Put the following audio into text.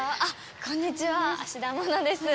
こんにちは、芦田愛菜です。